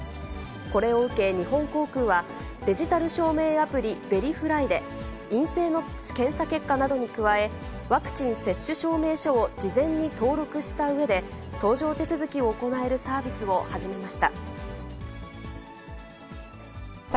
これを受け日本航空は、デジタル証明アプリ、ベリフライで、陰性の検査結果などに加え、ワクチン接種証明書を事前に登録したうえで、搭乗手続きを行えるサービスを始めました。